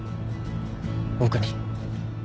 僕に。